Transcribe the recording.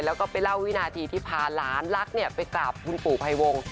แล้วก็ไปเล่าวินาทีที่พาหลานรักไปกราบคุณปู่ภัยวงศ